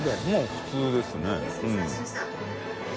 普通ですね。